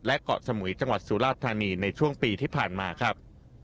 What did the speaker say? และเกาะสมุยจังหวัดสุราชธานีในช่วงปีที่ผ่านมาครับ